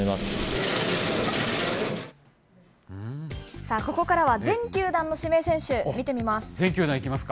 さあ、ここからは、全球団の指名選手、全球団いきますか。